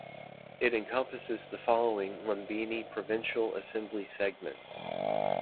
It encompasses the following Lumbini Provincial Assembly segments.